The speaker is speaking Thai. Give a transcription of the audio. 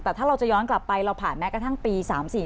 แต่ถ้าเราจะย้อนกลับไปเราผ่านแม้กระทั่งปี๓๔๔